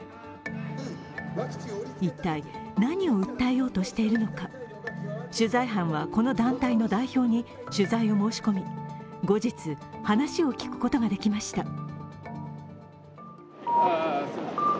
一体、何を訴えようとしているのか取材班は、この団体の代表に取材を申し込み、後日、話を聞くことができました。